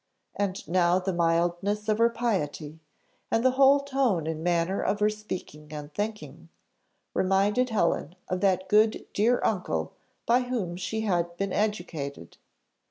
And now the mildness of her piety, and the whole tone and manner of her speaking and thinking, reminded Helen of that good dear uncle by whom she had been educated.